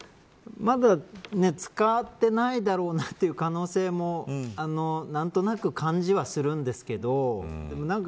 まずは、使ってないだろうなという可能性も何となく感じはするんですけど。